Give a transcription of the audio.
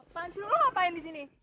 pak anjir lo ngapain disini